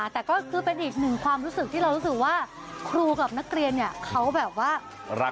แต่ก็คือเป็นอีกหนึ่งความรู้สึกที่เรารู้สึกว่า